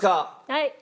はい。